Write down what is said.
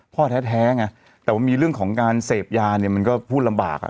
พ่อแท้ไงแต่ว่ามีเรื่องของการเสพยาเนี่ยมันก็พูดลำบากอ่ะ